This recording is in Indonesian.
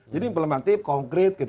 jadi implementatif konkret gitu